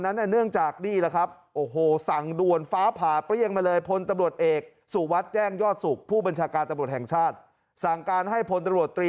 เนื่องจากนี่แหละครับโอ้โหสั่งด่วนฟ้าผ่าเปรี้ยงมาเลยพลตำรวจเอกสุวัสดิ์แจ้งยอดสุขผู้บัญชาการตำรวจแห่งชาติสั่งการให้พลตำรวจตรี